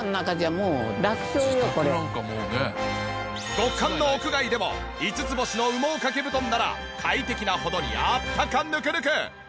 極寒の屋外でも５つ星の羽毛掛け布団なら快適なほどにあったかぬくぬく！